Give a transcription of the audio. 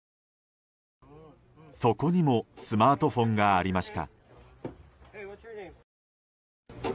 そこにもスマートフォンがありました。